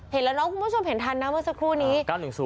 เห็นแล้วน้องคุณผู้ชมเห็นทันนะเมื่อสักครู่นี้๙๑๐